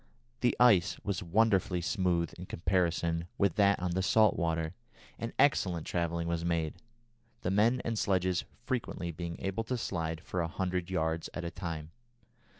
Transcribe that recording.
The ice was wonderfully smooth in comparison with that on the salt water, and excellent travelling was made, the men and sledges frequently being able to slide for a hundred yards at a time.